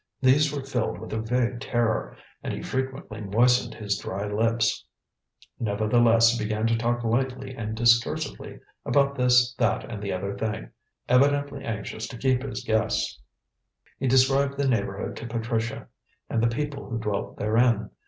These were filled with a vague terror, and he frequently moistened his dry lips. Nevertheless, he began to talk lightly and discursively about this, that, and the other thing, evidently anxious to keep his guests. He described the neighbourhood to Patricia, and the people who dwelt therein.